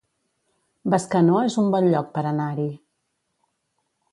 Bescanó es un bon lloc per anar-hi